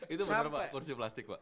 itu benar pak kursi plastik pak